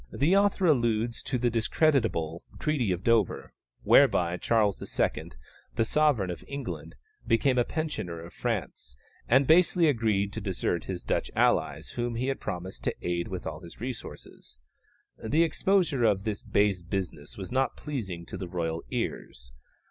The author alludes to the discreditable Treaty of Dover, whereby Charles II., the Sovereign of England, became a pensioner of France, and basely agreed to desert his Dutch allies, whom he had promised to aid with all his resources. The exposure of this base business was not pleasing to the royal ears.